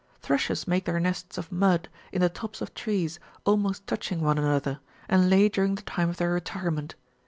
Thrushes make their nests of mud, in the tops of trees, almost touching one another, and lay during the time of their retirement.